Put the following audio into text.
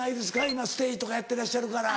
今ステージとかやってらっしゃるから。